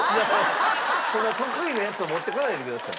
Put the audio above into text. そんな得意なやつを持ってこないでください。